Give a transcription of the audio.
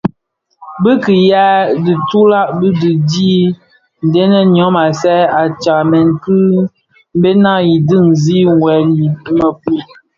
Bi kiyaň ki ntulag ti bi dhi dhen yom a saad bi tsamèn ki bena yi diňzi wuèl i mëpud.